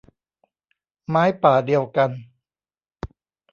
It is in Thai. ไม้ป่าเดียวกัน